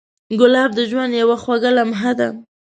ګلاب د ژوند یو خوږ لمحه ده.